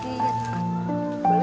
beli bawahnya nggak